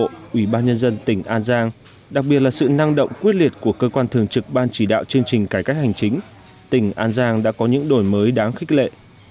ủy ban nhân dân tỉnh an giang đặc biệt là sự năng động quyết liệt của cơ quan thường trực ban chỉ đạo chương trình cải cách hành chính tỉnh an giang đã có những đổi mới đáng khích lệ